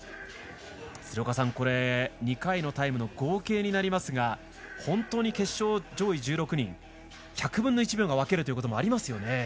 ２回のタイムの合計になりますが本当に決勝、上位１６人１００分の１秒が分けるということもありますよね。